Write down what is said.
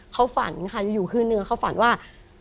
เขาฝันอยู่คืนเนื้อเขาฝันว่า